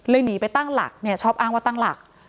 หนีไปตั้งหลักเนี่ยชอบอ้างว่าตั้งหลัก